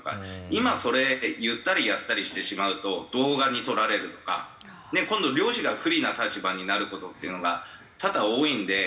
今それ言ったりやったりしてしまうと動画に撮られるとか今度漁師が不利な立場になる事っていうのが多々多いんで。